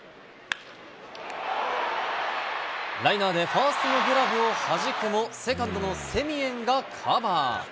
ライナーでファーストのグラブをはじくも、セカンドのセミエンがカバー。